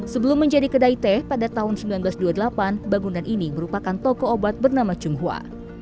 sebelum menjadi kedai teh pada tahun seribu sembilan ratus dua puluh delapan bangunan ini merupakan toko obat bernama tionghoa